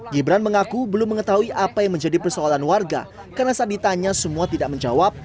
gibran mengaku belum mengetahui apa yang menjadi persoalan warga karena saat ditanya semua tidak menjawab